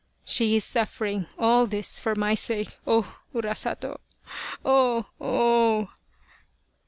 " She is suffering all this for my sake oh ! Urasato ! oh! oh! oh!"